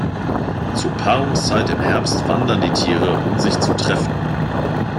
Zur Paarungszeit im Herbst wandern die Tiere, um sich zu treffen.